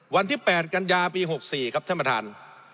วันที่๘กันยาปี๖๔ครับท่านประธาน